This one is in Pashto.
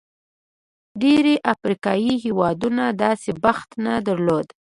ډېری افریقايي هېوادونو داسې بخت نه درلود.